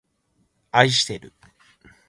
あいしてる